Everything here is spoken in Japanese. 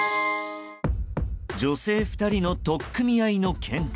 女性２人の取っ組み合いのけんか。